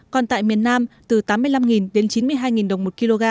còn tại miền nam từ tám mươi năm đến chín mươi hai đồng một kg